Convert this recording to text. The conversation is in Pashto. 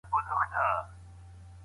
هغه له خپل اغا نه ښه خبره نه وه اورېدلې.